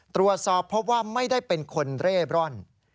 ตรวจสอบเพราะว่าไม่ได้เป็นคนเร่ร่อน